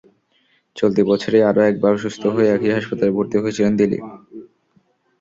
চলতি বছরই আরও একবার অসুস্থ হয়ে একই হাসপাতালে ভর্তি হয়েছিলেন দিলীপ।